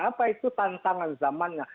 apa itu tantangan zamannya